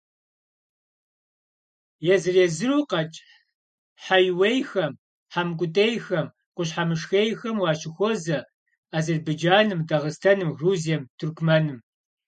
Езыр–езыру къэкӀ хьэиуейхэм, хьэмкӀутӀейхэм, къущхьэмышхейхэм уащыхуозэ Азербайджаным, Дагъыстаным, Грузием, Тыркумэным.